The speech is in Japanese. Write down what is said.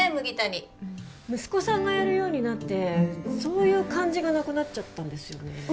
麦田に息子さんがやるようになってそういう感じがなくなっちゃったんですよね